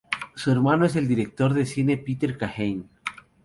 Su hermano es el director de cine Peter Kahane.